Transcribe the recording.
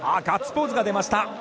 ガッツポーズが出ました。